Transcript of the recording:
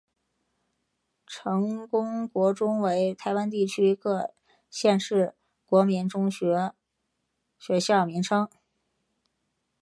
成功国中为台湾地区各县市国民中学学校名称。